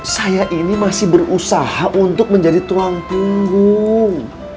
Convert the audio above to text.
saya ini masih berusaha untuk menjadi tulang punggung